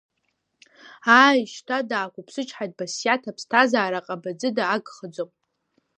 Ааи шьҭа, даақәыԥсычҳаит Басиаҭ, аԥсҭазаара ҟабаӡыба агхаӡом…